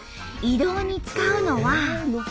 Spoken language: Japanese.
移動に使うのは。